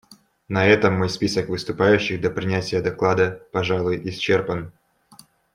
На этом мой список выступающих до принятия доклада, пожалуй, исчерпан.